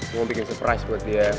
mau bikin surprise buat dia